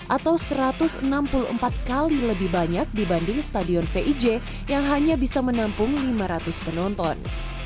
atau satu ratus enam puluh empat kali lebih banyak dibanding stadion vij yang hanya bisa menampung lima ratus penonton